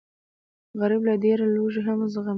غریب له ډېرې لوږې هم زغم لري